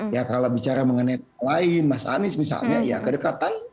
ya kalau bicara mengenai lain mas anies misalnya ya kedekatan